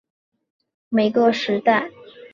都是反映著每个时代